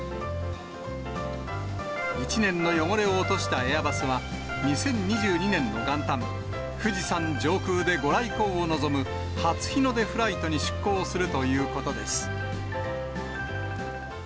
一年の汚れを落としたエアバスは、２０２２年の元旦、富士山上空で御来光を望む、初日の出フライトに出航するということです。